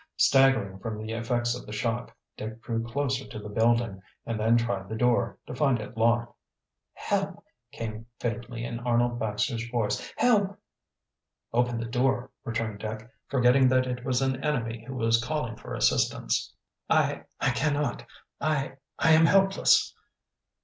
Staggering from the effects of the shock, Dick drew closer to the building and then tried the door, to find it locked. "Help!" came faintly, in Arnold Baxter's voice. "Help!" "Open the door," returned Dick, forgetting that it was an enemy who was calling for assistance. "I I cannot. I I am helpless!"